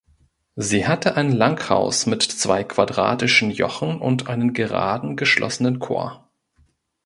Sie hatte ein Langhaus mit zwei quadratischen Jochen und einen gerade geschlossenen Chor.